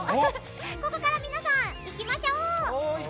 ここから皆さん行きましょう！